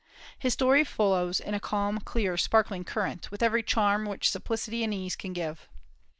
"His story flows in a calm, clear, sparkling current, with every charm which simplicity and ease can give."